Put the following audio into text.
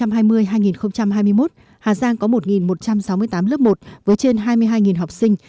năm học hai nghìn hai mươi hai nghìn hai mươi một hà giang có một một trăm sáu mươi tám lớp một với trên hai mươi hai học sinh